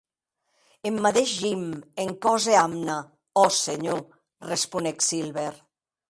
Eth madeish Jim en còs a amna, òc senhor, responec Silver.